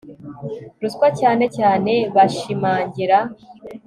ruswa cyane cyane bashimangira